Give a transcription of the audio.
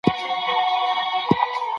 په سهارني مزل کي تبه نه پیدا کېږي.